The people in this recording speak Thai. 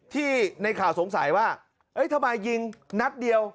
ที่ในข่าวสงสัยว่าทำไมยิงนัดเดียว